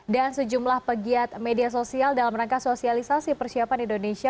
dan sejumlah pegiat media sosial dalam rangka sosialisasi persiapan indonesia